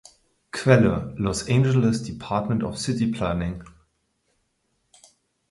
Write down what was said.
Quelle: Los Angeles Department of City Planning